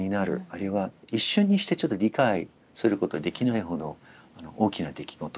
あるいは一瞬にしてちょっと理解することができないほど大きな出来事。